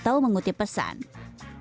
atau menggunakan balasan pesan